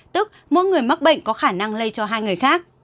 tức mỗi người mắc bệnh có khả năng lây cho hai người khác